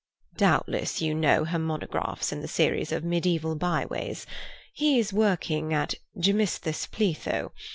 "Doubtless you know her monographs in the series of 'Mediæval Byways'? He is working at Gemistus Pletho.